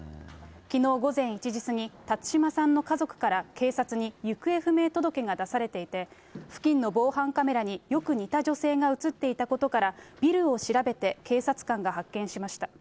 きのう午前１時過ぎ、辰島さんの家族から警察に、行方不明届が出されていて、付近の防犯カメラによく似た女性が写っていたことから、ビルを調べて警察官が発見しました。